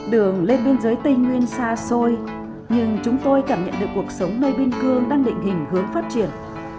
đường lên biên giới tây nguyên xa xôi nhưng chúng tôi cảm nhận được cuộc sống nơi biên cương đang định hình hướng phát triển